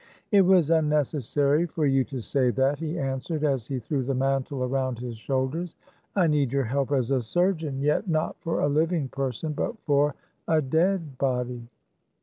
" It was unnecessary for you to say that," he anwsered, as he threw the mantle around his shoulders. " I need your help as a surgeon ; yet not for a living person, but for a dead body."